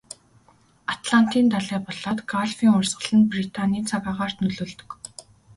Атлантын далай болоод Галфын урсгал нь Британийн цаг агаарт нөлөөлдөг.